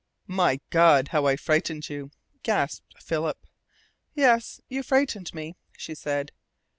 "My God, how I frightened you!" gasped Philip. "Yes, you frightened me," she said.